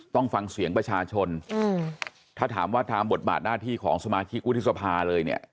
ต้องฟังเสียงประชาชนถ้าถามว่าตามบทบาทหน้าที่ของสมาชิกวุฒิสภาเลยเนี่ย